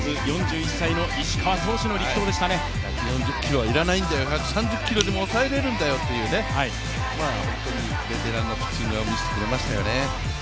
１４０キロは要らない、１３０キロでも耐えられるんだよとうい本当にベテランのピッチングを見せてくれましたよね。